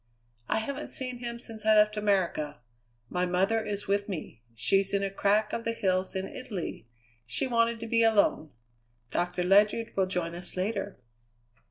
"I haven't seen him since I left America. My mother is with me; she's in a crack of the hills in Italy. She wanted to be alone. Doctor Ledyard will join us later."